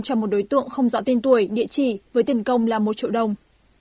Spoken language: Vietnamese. cho một đối tượng không rõ tên tuổi địa chỉ với tiền công là một triệu đồng